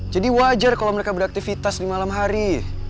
jadi wajar kalau mereka beraktivitas di malam hari